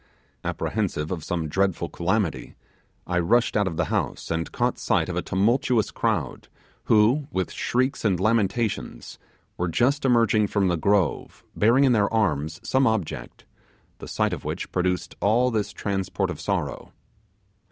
Apprehensive of some dreadful calamity, I rushed out of the house, and caught sight of a tumultuous crowd, who, with shrieks and lamentations, were just emerging from the grove bearing in their arms some object, the sight of which produced all this transport of sorrow.